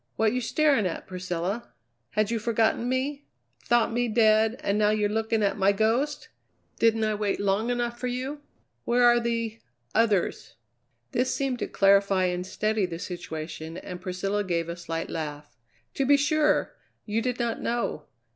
What you staring at, Priscilla? Had you forgotten me? Thought me dead, and now you're looking at my ghost? Didn't I wait long enough for you? Where are the others?" This seemed to clarify and steady the situation and Priscilla gave a slight laugh: "To be sure. You did not know.